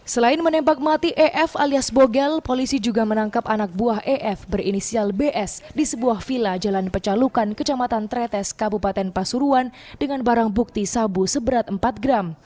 selain menembak mati ef alias bogel polisi juga menangkap anak buah ef berinisial bs di sebuah vila jalan pecalukan kecamatan tretes kabupaten pasuruan dengan barang bukti sabu seberat empat gram